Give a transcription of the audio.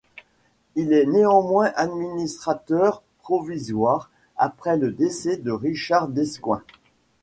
Il est nommé administrateur provisoire après le décès de Richard Descoings.